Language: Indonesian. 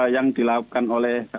yang dilakukan oleh